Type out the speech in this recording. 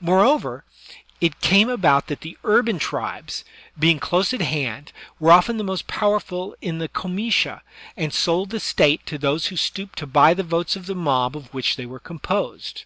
Moreover, it came about that the urban tribes, being close at hand, were often the most powerful in the comitia^ and sold the State to those who stooped to buy the votes of the mob of which they were composed.